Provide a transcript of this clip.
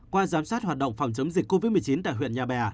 qua giám sát hoạt động phòng chống dịch covid một mươi chín tại huyện nhà bè